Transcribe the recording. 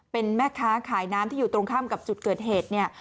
เป็นแม่ค้าขายน้ำที่อยู่ตรงข้ามกับจุดเกิดเหตุเนี่ย